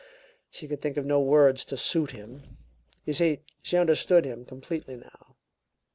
she could think of no words to suit him. You see, she understood him completely, now.